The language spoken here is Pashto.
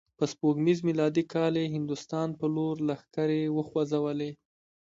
په سپوږمیز میلادي کال یې هندوستان په لور لښکرې وخوزولې.